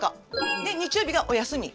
で日曜日がお休み。